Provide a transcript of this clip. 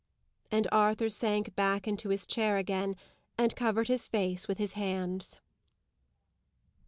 And Arthur sank back in his chair again, and covered his face with his hands.